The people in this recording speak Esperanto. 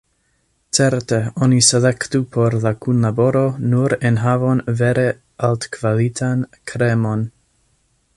Certe, oni selektu por la kunlaboro nur enhavon vere altkvalitan, “kremon”.